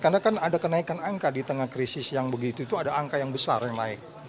karena kan ada kenaikan angka di tengah krisis yang begitu itu ada angka yang besar yang naik